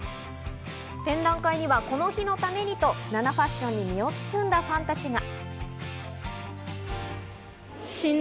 展覧会には、この日のためにとＮＡＮＡファッションに身を包んだファンたちが。